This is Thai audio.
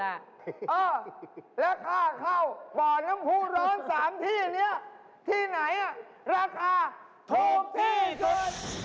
เออแล้วค่าเข้าบ่อน้ำผู้ร้อน๓ที่นี้ที่ไหนราคาถูกที่สุด